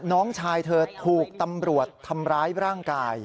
น้องชายเธอถูกตำรวจทำร้ายร่างกาย